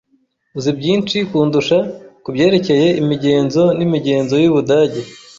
Uzi byinshi kundusha kubyerekeye imigenzo n'imigenzo y'Ubudage.